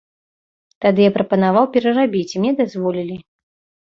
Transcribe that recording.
Тады я прапанаваў перарабіць, і мне дазволілі.